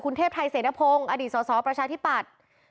คุณเทพไทยเซนภงอดีตสอบประชาภิปัตย์